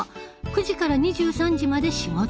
９時から２３時まで仕事。